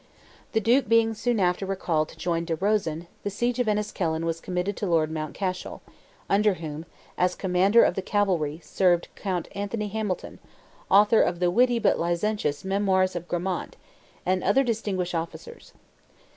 The Duke being soon after recalled to join De Rosen, the siege of Enniskillen was committed to Lord Mountcashel, under whom, as commander of the cavalry, served Count Anthony Hamilton, author of the witty but licentious "Memoirs of Grammont," and other distinguished officers.